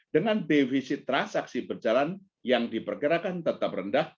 dengan defisit transaksi berjalan yang diperkirakan tetap rendah